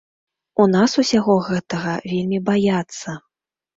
У нас усяго гэтага вельмі баяцца.